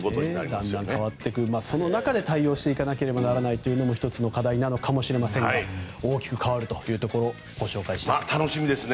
だんだん変わってくる中で対応していかなければならないというのも１つの課題なのかもしれませんが大きく変わるというところご紹介しました。